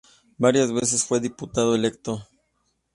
Varias veces fue diputado electo.